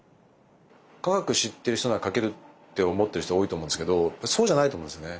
科学知ってる人なら書けるって思ってる人が多いと思うんですけどそうじゃないと思うんですよね。